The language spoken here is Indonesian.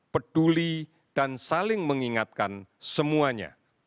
peduli dan saling mengingatkan semuanya